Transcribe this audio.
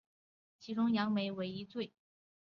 其中以杨梅为一最。